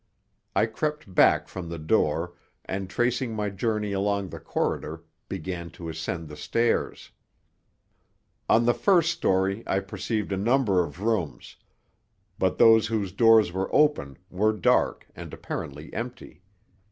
I crept back from the door and, tracing my journey along the corridor, began to ascend the stairs. On the first story I perceived a number of rooms, but those whose doors were open were dark and apparently empty.